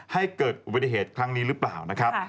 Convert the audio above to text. ให้เกิดอุบัติเหตุครั้งนี้หรือเปล่านะครับ